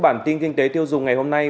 bản tin kinh tế tiêu dùng ngày hôm nay